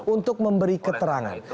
untuk memberi keterangan